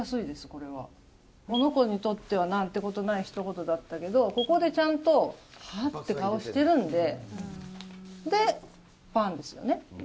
この子にとってはなんてことないひと言だったけど、ここでちゃんとはって顔してるんで、で、パンですよね。